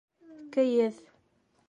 Кейеҙ.